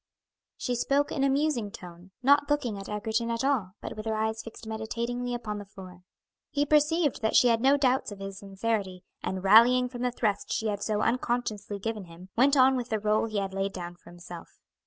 She spoke in a musing tone, not looking at Egerton at all, but with her eyes fixed meditatingly upon the floor. He perceived that she had no doubts of his sincerity, and rallying from the thrust she had so unconsciously given him, went on with the rôle he had laid down for himself.